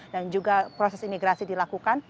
juga proses imigrasi dilakukan